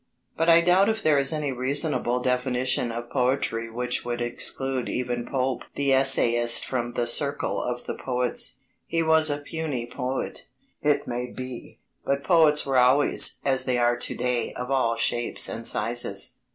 But I doubt if there is any reasonable definition of poetry which would exclude even Pope the "essayist" from the circle of the poets. He was a puny poet, it may be, but poets were always, as they are to day, of all shapes and sizes.